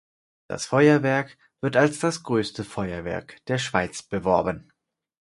Das Feuerwerk wird als das grösste Feuerwerk der Schweiz beworben.